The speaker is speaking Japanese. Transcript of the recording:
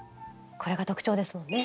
これが特徴ですもんね。